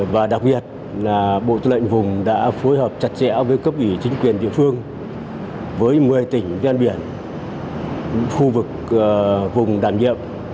và đặc biệt là bộ tư lệnh vùng đã phối hợp chặt chẽ với cấp ủy chính quyền địa phương với một mươi tỉnh ven biển khu vực vùng đảm nhiệm